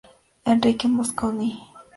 Enrique Mosconi, Av.